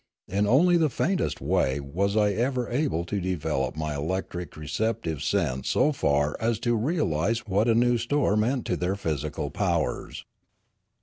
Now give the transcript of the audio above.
In only the faintest way was I ever able to develop my electric receptive sense so far as to realise what a new store meant to their physical powers.